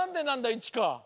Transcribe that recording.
いちか。